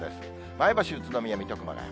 前橋、宇都宮、水戸、熊谷。